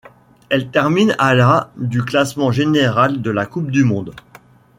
Elle termine à la du classement général de la coupe du monde.